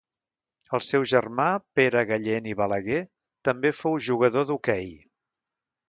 El seu germà Pere Gallén i Balaguer també fou jugador d'hoquei.